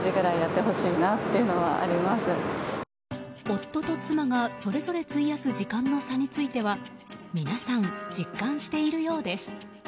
夫と妻がそれぞれ費やす時間の差については皆さん実感しているようです。